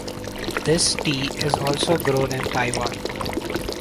This tea is also grown in Taiwan.